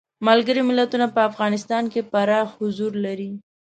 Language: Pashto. ملګري ملتونه په افغانستان کې پراخ حضور لري.